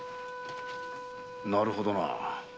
なるほどな。